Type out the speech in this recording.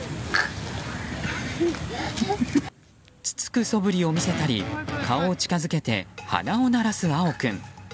つつく素振りを見せたり顔を近づけて鼻を鳴らす蒼君。